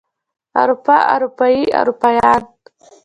اروپا اروپايي اروپايان